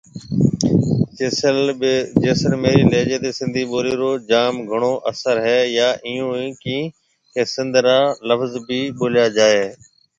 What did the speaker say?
جيسلميري لهجي تي سنڌي ٻولي رو جام گھڻو اسر هيَ يان ايئيون ڪيڻ ڪي سنڌي را لڦز بهيَ ٻوليا جائي هيَ۔